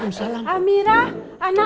langsung ke jalan jalan